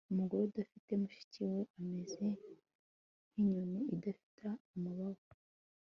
umugore udafite mushiki we ameze nk'inyoni idafite amababa